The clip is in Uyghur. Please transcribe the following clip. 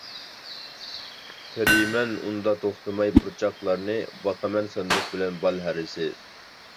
تېرىيمەن ئۇندا توختىماي پۇرچاقلارنى، باقىمەن ساندۇق بىلەن بال ھەرىسى.